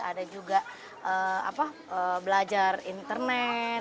ada juga belajar internet